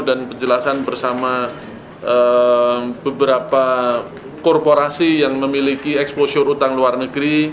dan penjelasan bersama beberapa korporasi yang memiliki eksposur utang luar negeri